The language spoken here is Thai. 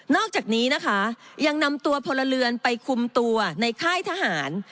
อกจากนี้นะคะยังนำตัวพลเรือนไปคุมตัวในค่ายทหาร